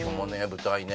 舞台ね